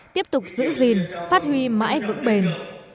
tiếp tục giữ gìn phát huy mãi vững bền